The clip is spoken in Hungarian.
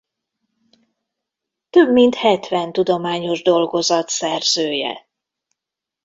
Több mint hetven tudományos dolgozat szerzője.